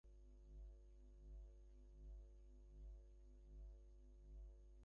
বাণিজ্য উন্নয়ন বিভাগের প্রধান জাবেদুল আলম আলোচনা এবং প্রশ্নোত্তর পর্বের সভাপতিত্ব করেন।